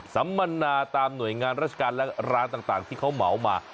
สัมมนาตามหน่วยงานราชการและร้านต่างที่เขาเหมามา